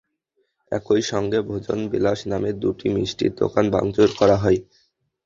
একই সঙ্গে ভোজন বিলাস নামের দুটি মিষ্টির দোকান ভাঙচুর করা হয়।